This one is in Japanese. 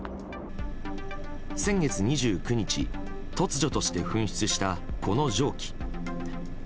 先月２９日突如として噴出したこの蒸気。